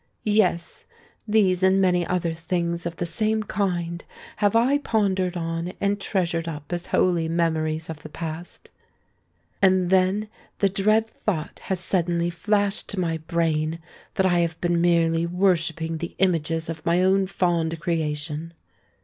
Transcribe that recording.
Yes—these and many other things of the same kind have I pondered on and treasured up as holy memories of the past;—and then the dread thought has suddenly flashed to my brain, that I have been merely worshipping the images of my own fond creation.